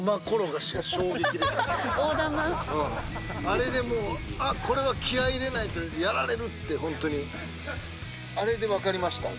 あれでもうこれは気合入れないとやられるってホントにあれで分かりました。